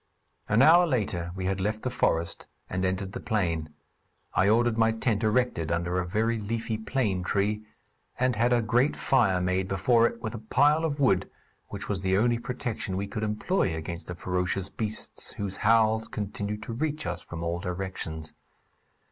An hour later we had left the forest and entered the plain. I ordered my tent erected under a very leafy plane tree, and had a great fire made before it, with a pile of wood, which was the only protection we could employ against the ferocious beasts whose howls continued to reach us from all directions.